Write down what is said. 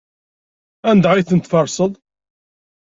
Anda ay tent-tferseḍ?